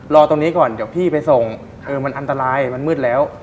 รอตรงนี้ก่อนเดี๋ยวพี่ไปส่งเออมันอันตรายมันมืดแล้ว